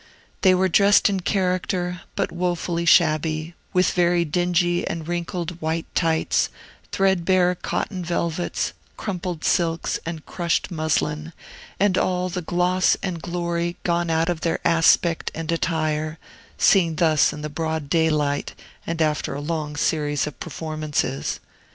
They were dressed in character, but wofully shabby, with very dingy and wrinkled white tights, threadbare cotton velvets, crumpled silks, and crushed muslin, and all the gloss and glory gone out of their aspect and attire, seen thus in the broad daylight and after a long series of performances.